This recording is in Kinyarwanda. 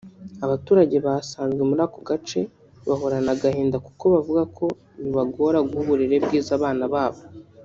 Abaturage basanzwe muri ako gace bahorana agahinda kuko bavuga ko bibagora guha uburere bwiza abana babo